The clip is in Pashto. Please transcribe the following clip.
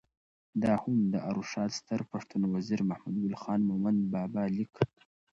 دا هم د ارواښاد ستر پښتون وزیر محمد ګل خان مومند بابا لیک: